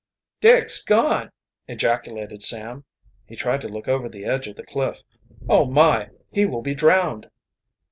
"Dick's gone!" ejaculated Sam. He tried to look over the edge of the cliff. "Oh, my! He will be drowned!"